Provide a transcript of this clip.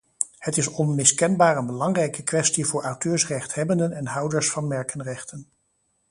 Het is onmiskenbaar een belangrijke kwestie voor auteursrechthebbenden en houders van merkenrechten.